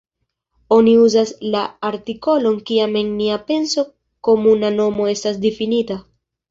Oni uzas la artikolon kiam en nia penso komuna nomo estas difinita.